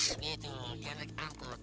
ini itu dia menarik angkut